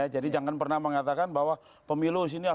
jadi jangan pernah mengatakan bahwa pemilu sini alhamdulillah